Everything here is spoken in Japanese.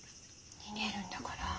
逃げるんだから。